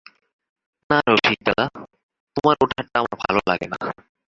না রসিকদাদা, তোমার ও ঠাট্টা আমার ভালো লাগে না।